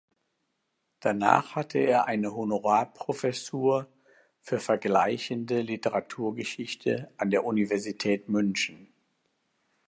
Danach hatte er eine Honorarprofessur für vergleichende Literaturgeschichte an der Universität München.